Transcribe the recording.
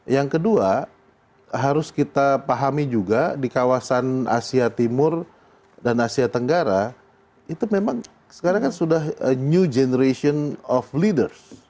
yang kedua harus kita pahami juga di kawasan asia timur dan asia tenggara itu memang sekarang kan sudah aw generation of leaders